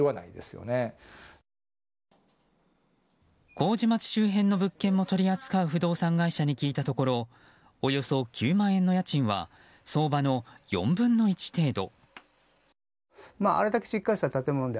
麹町周辺の物件も取り扱う不動産会社に聞いたところおよそ９万円の家賃は相場の４分の１程度。